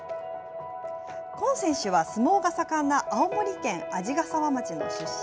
今選手は相撲が盛んな青森県鰺ヶ沢町の出身。